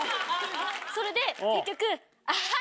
それで結局アハっ！